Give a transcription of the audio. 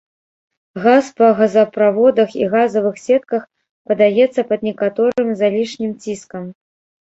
Газ па газаправодах і газавых сетках падаецца пад некаторым залішнім ціскам.